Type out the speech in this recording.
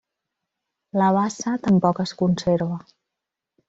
La bassa tampoc es conserva.